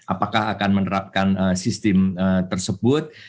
apakah akan menerapkan sistem tersebut